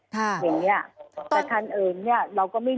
แต่คันอื่นเนี่ย